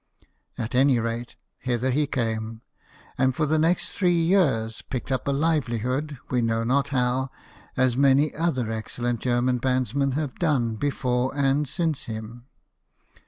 At any rate, hither he came, and for the next three years picked up a liveli hood, we know not how, as many other excel lent German bandsmen have done before and 94 BIOGRAPHIES OF WORKING MEN. since him.